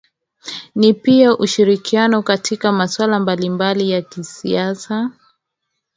ni pia ushirikiano katika maswala mbalimbali ya kisiasa